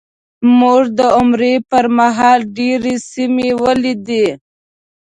موږ د عمرې په مهال ډېرې سیمې ولیدې.